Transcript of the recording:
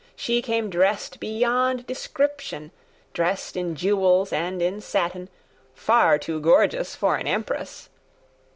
She came dressed beyond description, Dressed in jewels and in satin Far too gorgeous for an empress.